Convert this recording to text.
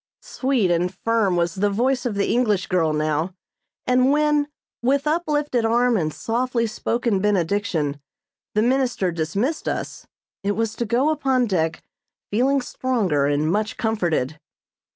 Sweet and firm was the voice of the English girl now, and when, with uplifted arm and softly spoken benediction, the minister dismissed us, it was to go upon deck feeling stronger and much comforted.